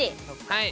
はい。